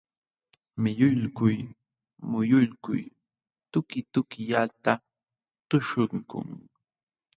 Miyulkul muyulkul tukitukillata tuśhukun.